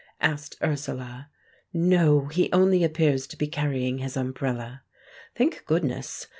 asked Ursula. "No, he only appears to be carrying his umbrella." "Thank goodness!"